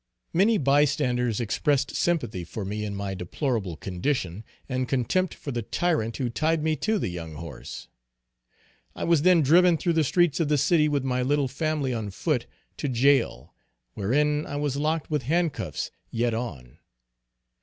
Many bystanders expressed sympathy for me in my deplorable condition, and contempt for the tyrant who tied me to the young horse. I was then driven through the streets of the city with my little family on foot, to jail, wherein I was locked with handcuffs yet on.